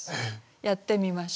やってみましょう。